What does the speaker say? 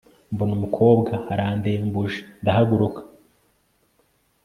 mbona umukobwa arandembuje ndahaguruka